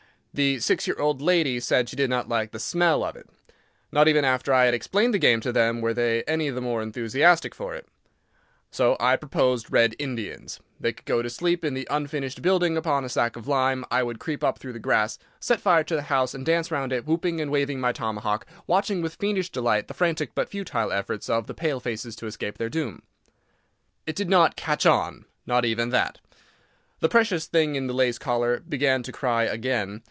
The six year old lady said she did not like the smell of it. Not even after I had explained the game to them were they any the more enthusiastic for it. I proposed Red Indians. They could go to sleep in the unfinished building upon a sack of lime, I would creep up through the grass, set fire to the house, and dance round it, whooping and waving my tomahawk, watching with fiendish delight the frantic but futile efforts of the palefaces to escape their doom. It did not "catch on"—not even that. The precious thing in the lace collar began to cry again.